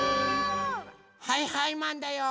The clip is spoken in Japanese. はいはいマンだよー。